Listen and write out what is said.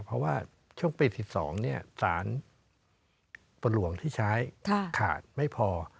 เพราะว่าช่วงปี๑๒สารประหลวงที่ใช้ขาดไม่พอ